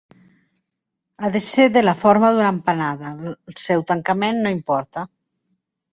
Ha de ser de la forma d'una empanada, el seu tancament no importa.